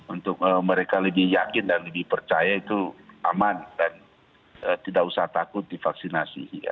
untuk mereka lebih yakin dan lebih percaya itu aman dan tidak usah takut divaksinasi